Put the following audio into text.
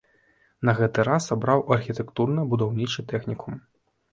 На гэты раз абраў архітэктурна-будаўнічы тэхнікум.